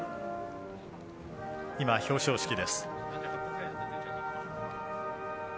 今、表彰式です。